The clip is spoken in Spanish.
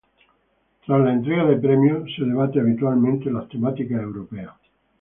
Tras la entrega de premios se debate habitualmente las temáticas europeas.